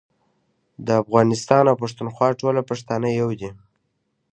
د افغانستان او پښتونخوا ټول پښتانه يو دي